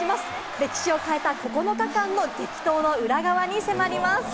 歴史を変えた９日間の激闘の裏側に迫ります。